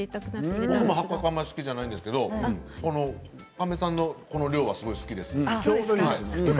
僕は八角あまり好きじゃないんですけど神戸さんのこの量はすごい好きです。